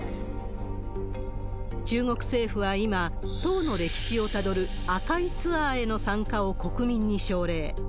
中国政府は今、党の歴史をたどる紅いツアーへの参加を国民に奨励。